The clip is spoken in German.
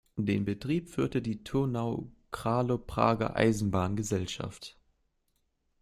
Den Betrieb führte die Turnau-Kralup-Prager Eisenbahngesellschaft.